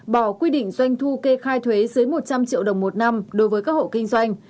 bỏ quy định doanh thu kê khai thuế dưới một trăm linh triệu đồng một năm đối với các hộ kinh doanh